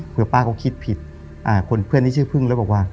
เพื่อป้าเขาคิดผิดคนเพื่อนที่ชื่อพึ่งแล้วบอกว่า